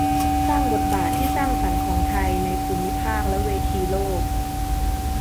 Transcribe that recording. สร้างบทบาทที่สร้างสรรค์ของไทยในภูมิภาคและเวทีโลก